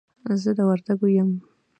زه د وردګو يم.